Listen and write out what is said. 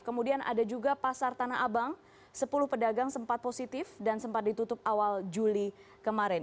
kemudian ada juga pasar tanah abang sepuluh pedagang sempat positif dan sempat ditutup awal juli kemarin